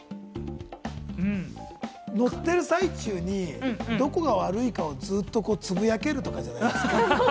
乗ってる最中にどこが悪いかをずっとつぶやけるとかじゃない？